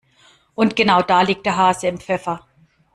Und genau da liegt der Hase im Pfeffer.